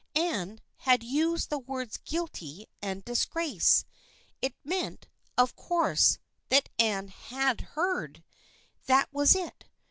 Anne had used the words " guilty " and " disgrace." It meant, of course, that Anne had heard I That was it.